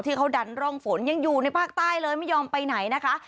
ที่เขาดันร่องฝนยังอยู่ในภาคใต้เลยไม่ยอมไปไหนนะคะ